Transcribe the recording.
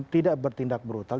tidak bertindak brutal